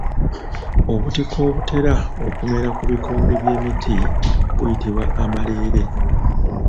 Obutiko obutera okumera ku bikonge by’emiti buyitibwa amaleere.